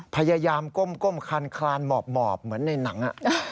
พยายามก้มคันคลานหมอบเหมือนในหนัง